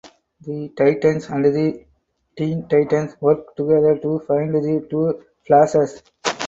The Titans and the Teen Titans work together to find the two Flashes.